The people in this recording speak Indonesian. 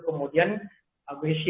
kemudian agresia yaitu hilangnya intrafisial